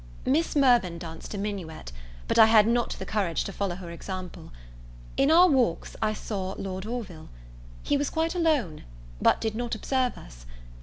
Miss Mirvan danced a minuet; but I had not the courage to follow her example. In our walks I saw Lord Orville. He was quite alone, but did not observe us.